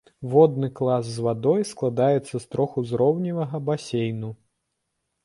Водны клас з вадой складаецца з трохузроўневага басейну.